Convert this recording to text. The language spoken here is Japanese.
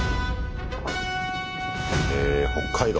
へ北海道。